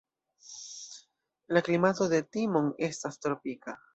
La klimato de Timon estas tropika.